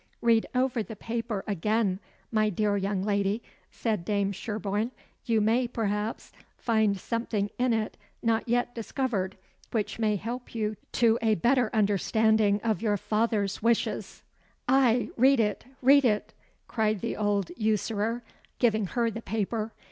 "Read over the paper again, my dear young lady," said Dame Sherborne. "You may, perhaps, find something in it not yet discovered, which may help you to a better understanding of your father's wishes." "Ay, read it! read it!" cried the old usurer, giving her the paper.